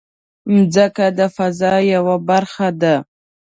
مځکه د فضا یوه برخه ده.